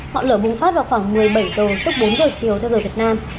ngọn lửa bùng phát vào khoảng một mươi bảy h tức bốn h chiều cho giờ việt nam